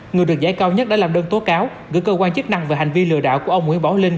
người được giải cao nhất đã làm đơn tố cáo gửi cơ quan chức năng về hành vi lừa đảo của ông nguyễn bảo linh